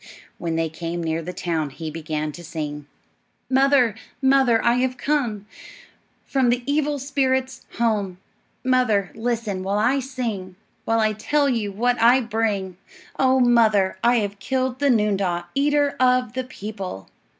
When they came near the town he began to sing, "Mother, mother, I have come From the evil spirits, home. Mother, listen while I sing; While I tell you what I bring. Oh, mother, I have killed The noondah, eater of the people."